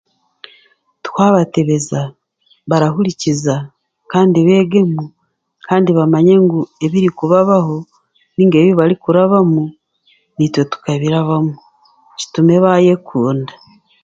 Twabatebeza barahurikiza kandi beegemu kandi bamye ngu ebirikubabaho nainga ebibarikurabamu naitwe tukabirabamu kitume baayekunda